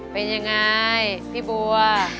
เป็นยังไงพี่บัว